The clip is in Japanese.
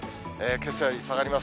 けさより下がります。